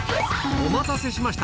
お待たせしました